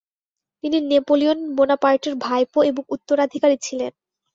তিনি নেপোলিয়ন বোনাপার্টের ভাইপো এবং উত্তরাধিকারী ছিলেন।